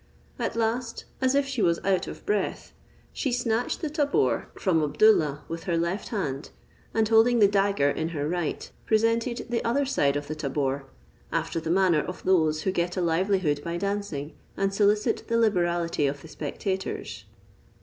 At last, as if she was out of breath, she snatched the tabor from Abdoollah with her left hand, and holding the dagger in her right, presented the other side of the tabor, after the manner of those who get a livelihood by dancing, and solicit the liberality of the spectators.